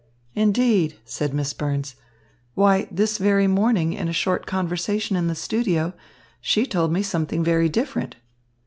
"Indeed?" said Miss Burns. "Why, this very morning in a short conversation in the studio, she told me something very different."